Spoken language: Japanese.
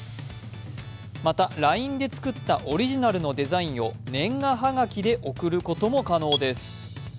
また、ＬＩＮＥで作ったオリジナルのデザインを年賀はがきで送る可能です。